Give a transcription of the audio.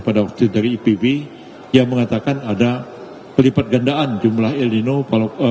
pada waktu dari ipb yang mengatakan ada pelipat gandaan jumlah ilinono